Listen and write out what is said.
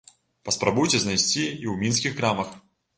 Паспрабуйце знайсці і ў мінскіх крамах?